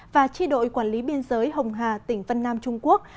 và chi đội quản lý biên giới hồng hà tỉnh vân nam trung quốc